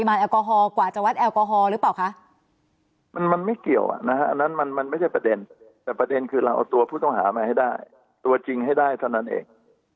ตัวจริงให้ได้เท่านั้นเอง